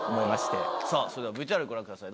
さぁそれではＶＴＲご覧ください